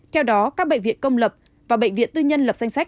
theo đó các bệnh viện công lập và bệnh viện tư nhân lập danh sách